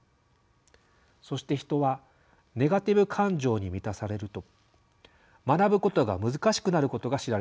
そして人はネガティブ感情に満たされると学ぶことが難しくなることが知られています。